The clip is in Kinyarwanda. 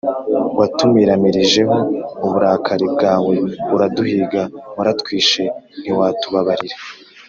Watumiramirijeho uburakari bwawe uraduhiga, Waratwishe ntiwatubabarira.